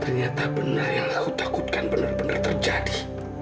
ternyata benar yang aku takutkan benar benar terjadi